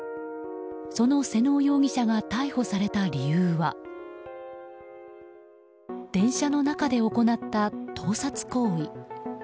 その妹尾容疑者が逮捕された理由は電車の中で行った盗撮行為。